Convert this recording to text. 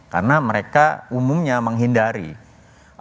karena mereka umumnya menghilangkan kebijakan